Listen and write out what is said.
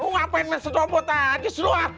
eh lo ngapain main sedobot aja sih lo ah